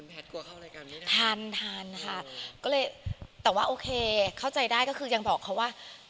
แพทย์กลัวเข้าอะไรกับนี้นะทันค่ะก็เลยแต่ว่าโอเคเข้าใจได้ก็คือยังบอกเขาว่า